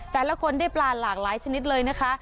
แต่ละคนได้ปลาหลากหลายชนิดเลยนะคะ